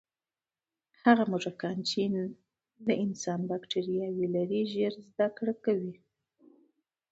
هغه موږکان چې د انسان باکټرياوې لري، ژر زده کړه کوي.